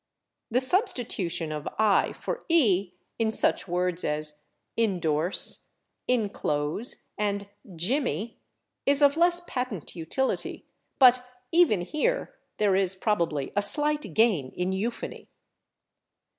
The substitution of /i/ for /e/ in such words as /indorse/, /inclose/ and /jimmy/ is of less patent utility, but even here there is probably a slight gain in euphony.